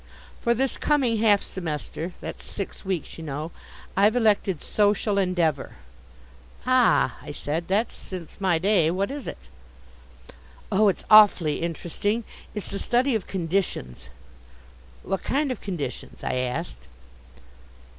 "For this coming half semester that's six weeks, you know I've elected Social Endeavour." "Ah," I said, "that's since my day, what is it?" "Oh, it's awfully interesting. It's the study of conditions." "What kind of conditions?" I asked.